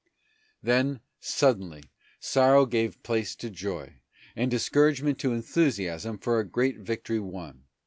Then, suddenly, sorrow gave place to joy, and discouragement to enthusiasm for a great victory won.